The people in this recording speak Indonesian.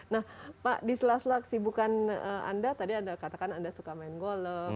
nah pak diselas selas sibukan anda tadi anda katakan anda suka main golep